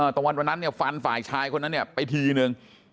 ตะวันวันนั้นเนี่ยฟันฝ่ายชายคนนั้นเนี่ยไปทีนึง